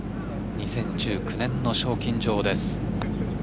２０１９年の賞金女王です。